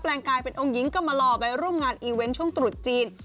ลงกายเป็นองค์หญิงก็มาหล่อไปร่วมงานอีเวนต์ช่วงตรุษจีน